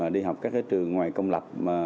đi học các trường ngoài công lập